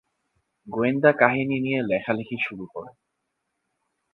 গোয়েন্দা কাহিনী দিয়ে লেখালেখির শুরু করেন।